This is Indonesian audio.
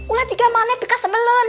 ulah juga mana pika sebelun